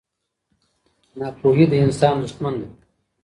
ناپوهي د انسان دښمن ده.